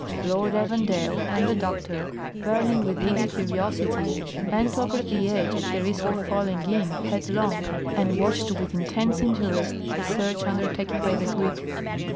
Lord Evandale and the doctor, burning with eager curiosity, bent over the edge at the risk of falling in headlong, and watched with intense interest the search undertaken by the Greek.